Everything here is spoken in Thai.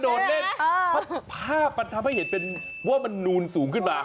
โดนเล่นเพราะภาพมันทำให้เห็นเป็นว่ามันนูนสูงขึ้นมา